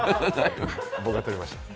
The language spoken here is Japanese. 僕が撮りました。